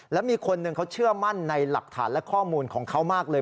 แล้วมีคนหนึ่งเขาเชื่อมั่นในหลักฐานและข้อมูลของเขามากเลย